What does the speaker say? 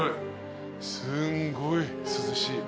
すんごい涼しい。